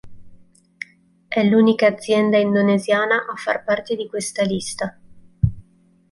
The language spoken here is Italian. È l'unica azienda indonesiana a far parte di questa lista.